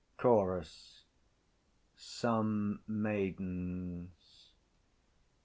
CHORUS. _Some Maidens.